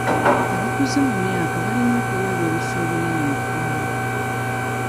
Abakuze mu myaka balina okuweebwa ebifo ebinene mu ggwanga.